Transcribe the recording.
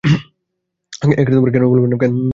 কেন বলবেন না!